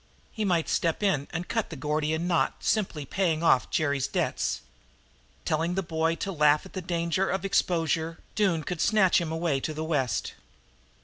He might step in and cut the Gordian knot by simply paying off Jerry's debts. Telling the boy to laugh at the danger of exposure, Doone could snatch him away to the West.